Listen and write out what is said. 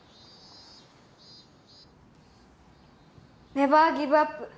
ネバーギブアップ。